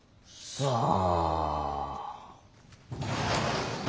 さあ？